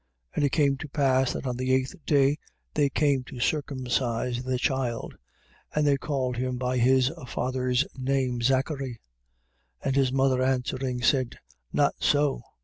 1:59. And it came to pass that on the eighth day they came to circumcise the child: and they called him by his father's name Zachary. 1:60. And his mother answering, said: Not so.